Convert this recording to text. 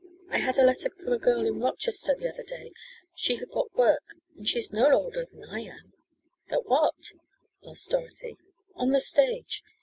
I had a letter from a girl in Rochester the other day. She had got work and she is no older than I am." "At what?" asked Dorothy. "On the stage.